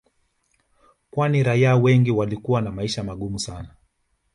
Kwani raia wengi walikuwa na maisha magumu sana